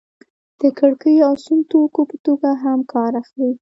د کړکیو او سونګ توکو په توګه هم کار اخلي.